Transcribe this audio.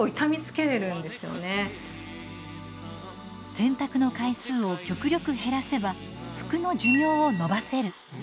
洗濯の回数を極力減らせば服の寿命を延ばせる。